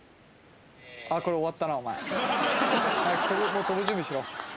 もうとぶ準備しろ。